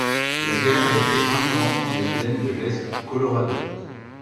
La guerre a été intense dans les plaines de l'est du Colorado.